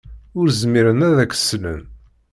Ur zmiren ad ak-slen.